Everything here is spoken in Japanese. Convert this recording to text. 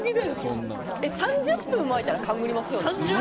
３０分空いたら勘ぐりますよね。